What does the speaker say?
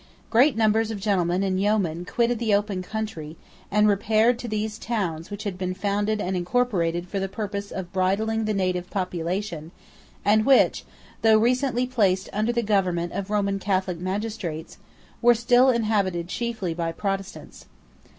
Great numbers of gentlemen and yeomen quitted the open country, and repaired to those towns which had been founded and incorporated for the purpose of bridling the native population, and which, though recently placed under the government of Roman Catholic magistrates, were still inhabited chiefly by Protestants.